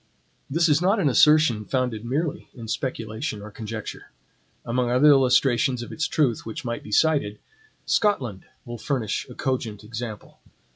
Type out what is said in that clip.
This is not an assertion founded merely in speculation or conjecture. Among other illustrations of its truth which might be cited, Scotland will furnish a cogent example.